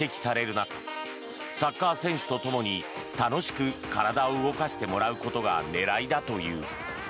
中サッカー選手とともに楽しく体を動かしてもらうことが狙いだという。